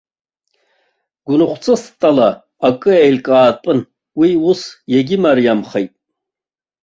Гәынхәҵысҭала акы еилкаатәын, уи ус иагьымариамхеит.